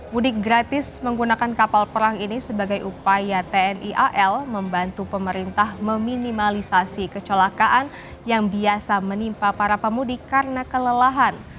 mudik gratis menggunakan kapal perang ini sebagai upaya tni al membantu pemerintah meminimalisasi kecelakaan yang biasa menimpa para pemudik karena kelelahan